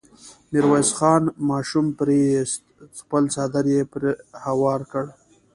ميرويس خان ماشوم پرې ايست، خپل څادر يې پرې هوار کړ.